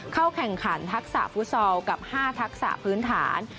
เข้าแข่งขันทักษะฟุตซอลกับ๕ทักษะพื้นฐาน